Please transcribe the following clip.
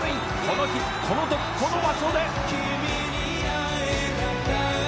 「この日この時この場所で」